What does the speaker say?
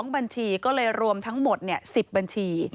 บัญชีก็เลยรวมทั้งหมด๑๐บัญชี